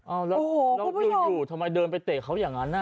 เอาแล้วอยู่ทำไมเดินไปเตะเขาอย่างนั้น